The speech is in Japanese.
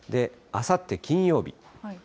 あさって金曜日。